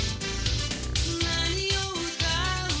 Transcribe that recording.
「何を歌う？